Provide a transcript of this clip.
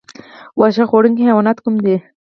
واښه خوړونکي حیوانات کوم دي؟